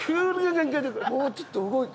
もうちょっと動い。